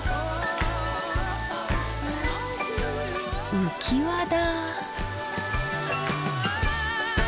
浮き輪だ。